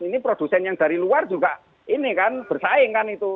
ini produsen yang dari luar juga bersaing kan itu